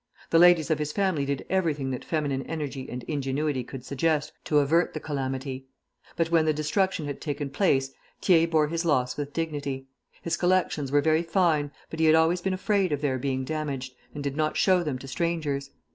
The ladies of his family did everything that feminine energy and ingenuity could suggest to avert the calamity. But when the destruction had taken place, Thiers bore his loss with dignity. His collections were very fine, but he had always been afraid of their being damaged, and did not show them to strangers.